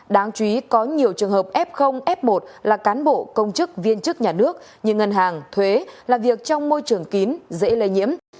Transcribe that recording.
đáng chú ý có nhiều trường hợp f f một là cán bộ công chức viên chức nhà nước như ngân hàng thuế là việc trong môi trường kín dễ lây nhiễm